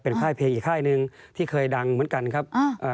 ค่ายเพลงอีกค่ายหนึ่งที่เคยดังเหมือนกันครับ